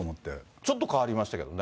ちょっと変わりましたけどね。